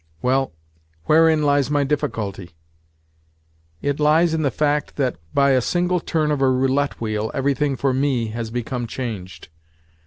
Well, wherein lies my difficulty? It lies in the fact that by a single turn of a roulette wheel everything for me, has become changed.